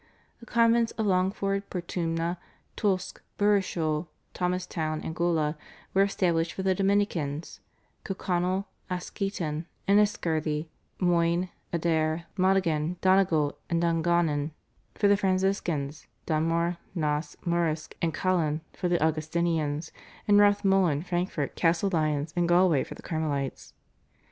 The convents of Longford, Portumna, Tulsk, Burishool, Thomastown, and Gola were established for the Dominicans; Kilconnell, Askeaton, Enniscorthy, Moyne, Adare, Monaghan, Donegal, and Dungannon for the Franciscans; Dunmore, Naas, Murrisk and Callan for the Augustinians, and Rathmullen, Frankfort, Castle Lyons and Galway for the Carmelites.